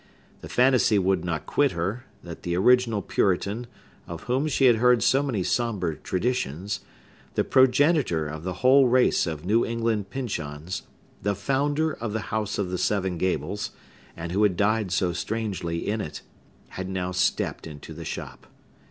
The fantasy would not quit her, that the original Puritan, of whom she had heard so many sombre traditions,—the progenitor of the whole race of New England Pyncheons, the founder of the House of the Seven Gables, and who had died so strangely in it,—had now stept into the shop.